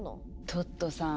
トットさん